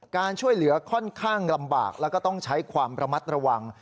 การช่วยเหลือค่อนข้างลำบากแล้วก็ต้องใช้ความระมัดระวัง